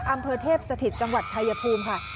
อำเภอเทพสถิตจังหวัดชายภูมิค่ะ